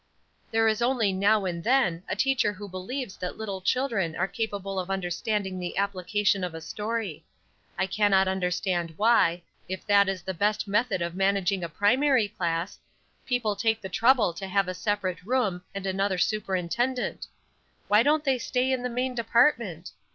"There is only now and then a teacher who believes that little children are capable of understanding the application of a story. I can't understand why, if that is the best method of managing a primary class, people take the trouble to have a separate room and another superintendent. Why don't they stay in the main department?